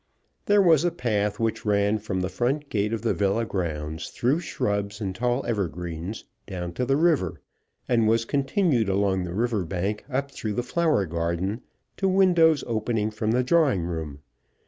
There was a path which ran from the front gate of the villa grounds through shrubs and tall evergreens down to the river, and was continued along the river bank up through the flower garden to windows opening from the drawing room.